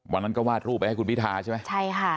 วันนั้นก็วาดรูปไปให้คุณพิทาใช่ไหมใช่ค่ะ